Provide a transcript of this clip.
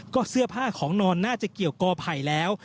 ก็เสื้อผ้าของนอนน่าจะเกี่ยวกอไผ่แล้ว